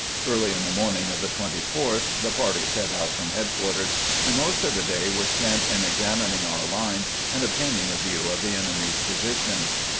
Early on the morning of the 24th the party set out from headquarters, and most of the day was spent in exam ining our lines and obtaining a view of the enemy's position.